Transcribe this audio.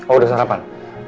oh udah sarapan